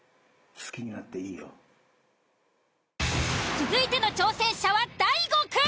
続いての挑戦者は大悟くん。